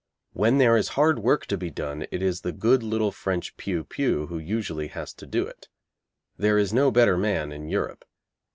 When there is hard work to be done it is the good little French piou piou who usually has to do it. There is no better man in Europe.